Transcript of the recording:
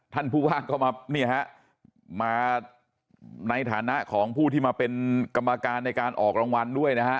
ท่านผู้ว่าก็มาเนี่ยฮะมาในฐานะของผู้ที่มาเป็นกรรมการในการออกรางวัลด้วยนะฮะ